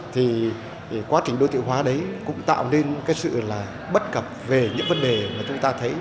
thì quá trình đô thị hóa đấy cũng tạo nên sự bất cập về những vấn đề mà chúng ta thấy